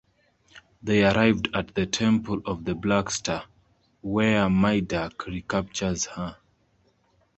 They arrive at the temple of the black Star, where Myrdak recaptures her.